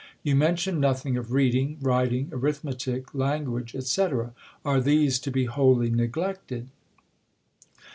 You mention nothing of reading, writing, arithmetic, language, &c. Are these to be wholly neglected